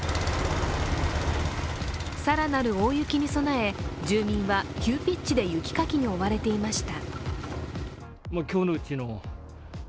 更なる大雪に備え住民は急ピッチで雪かきに追われていました。